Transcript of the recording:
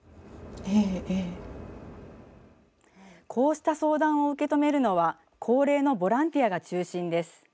こうした相談を受け止めるのは高齢のボランティアが中心です。